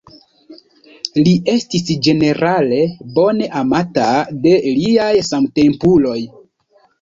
Li estis ĝenerale bone amata de liaj samtempuloj.